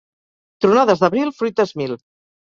Tronades d'abril, fruites mil.